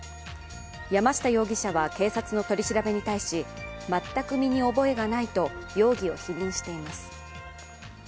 山下容疑者は、警察の取り調べに対し全く身に覚えがないと容疑を否認しています。